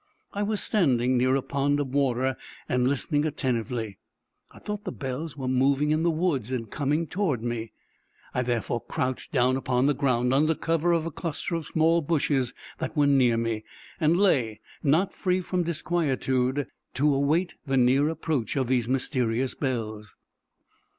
I was standing near a pond of water, and listening attentively; I thought the bells were moving in the woods, and coming toward me. I therefore crouched down upon the ground, under cover of a cluster of small bushes that were near me, and lay, not free from disquietude, to await the near approach of these mysterious bells.